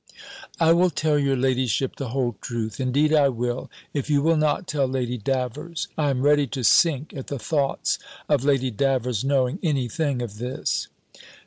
"I will tell your ladyship the whole truth; indeed I will if you will not tell Lady Davers. I am ready to sink at the thoughts of Lady Davers knowing any thing of this."